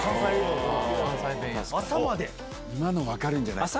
今の分かるんじゃない？